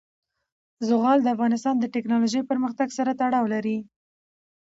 زغال د افغانستان د تکنالوژۍ پرمختګ سره تړاو لري.